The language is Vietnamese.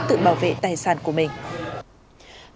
tự bảo vệ tài sản của mình